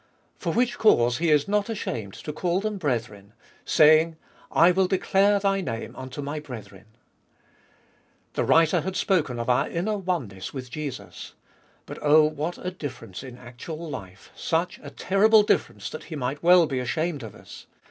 For which cause He is not ashamed to call them Brethren, saying, I will declare Thy name unto My brethren. The writer had spoken of our inner oneness with Jesus. But oh, what a difference in actual life, such a terrible difference that He might well be ashamed of us